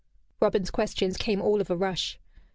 Robin's questions came all of a rush.